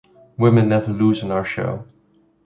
Women never lose on our show.